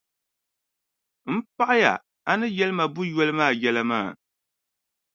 M paɣiya a ni yɛli ma buʼ yoli maa yɛla maa.